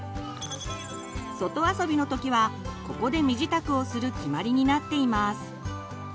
外遊びの時はここで身支度をする決まりになっています。